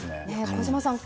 小島さん